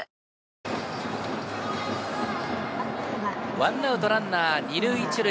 １アウトランナー２塁１塁。